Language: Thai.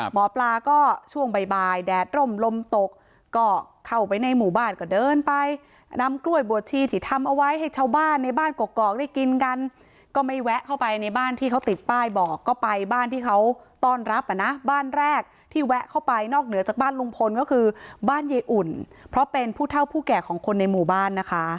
หมอปลาก็ช่วงบ่ายแดดร่มลมตกก็เข้าไปในหมู่บ้านก็เดินไปนำกล้วยบวชชีที่ทำเอาไว้ให้ชาวบ้านในบ้านกอกได้กินกันก็ไม่แวะเข้าไปในบ้านที่เขาติดป้ายบอกก็ไปบ้านที่เขาต้อนรับอ่ะนะบ้านแรกที่แวะเข้าไปนอกเหนือจากบ้านลุงพลก็คือบ้านยายอุ่นเพราะเป็นผู้เท่าผู้แก่ของคนในหมู่บ้านนะคะ